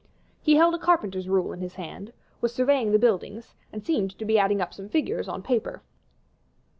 He held a carpenter's rule in his hand, was surveying the buildings, and seemed to be adding up some figures on paper.